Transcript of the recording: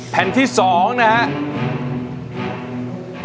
แผ่นที่๒นะครับ